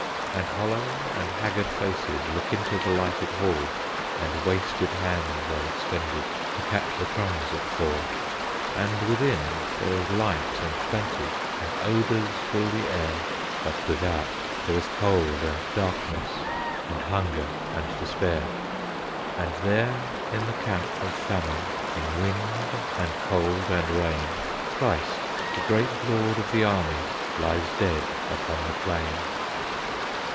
And hollow and haggard faces Look into the lighted hall, And wasted hands are extended To catch the crumbs that fall. And within there is light and plenty, And odours fill the air; But without there is cold and darkness, And hunger and despair. And there in the camp of famine, In wind, and cold, and rain, Christ, the great Lord of the Army, vLies dead upon the plain.